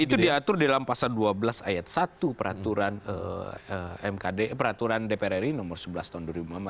itu diatur dalam pasal dua belas ayat satu peraturan dpr ri nomor sebelas tahun dua ribu lima belas